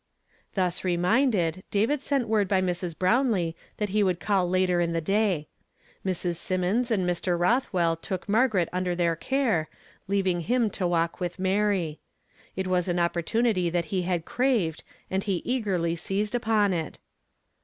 Thus reminded, David sent word by Mrs. Brown lee that he would call later in the day. Mrs. Symonds and Mr. Rothwell took Margaret under their care, leaving him to walk with Mary. It was an opportunity that he had craved and he eagerly seized upon it.